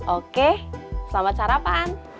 oke selamat sarapan